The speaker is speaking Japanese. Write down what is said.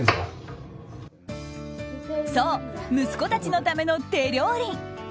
そう、息子たちのための手料理。